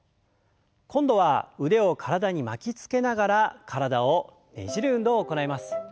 今度は腕を体に巻きつけながら体をねじる運動を行います。